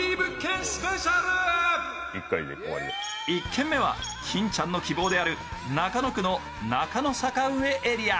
１軒目は金ちゃんの希望である中野区の中野坂上エリア。